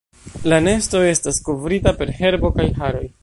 La nesto estas kovrita per herbo kaj haroj.